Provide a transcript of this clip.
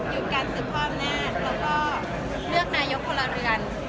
อยู่กับการถือข้อลำนาจแล้วก็เลือกนายกคนละเรือน